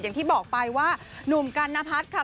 อย่างที่บอกไปว่าหนุ่มกันนพัฒน์ค่ะ